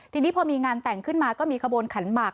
ทีนี้พอมีงานแต่งขึ้นมาก็มีขบวนขันหมาก